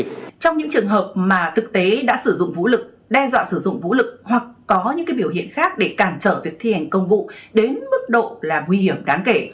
trong những trường hợp mà thực tế đã sử dụng vũ lực đe dọa sử dụng vũ lực hoặc có những biểu hiện khác để cản trở việc thi hành công vụ đến mức độ là nguy hiểm đáng kể